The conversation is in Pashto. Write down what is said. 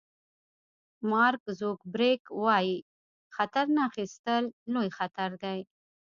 مارک زوګربرګ وایي خطر نه اخیستل لوی خطر دی.